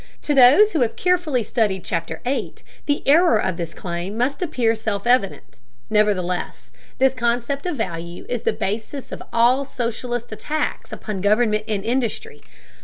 To those who have carefully studied Chapter VIII the error of this claim must appear self evident, nevertheless, this concept of value is the basis of all socialist attacks upon government and industry.